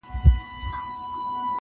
ورښودلي خپل استاد وه څو شعرونه!.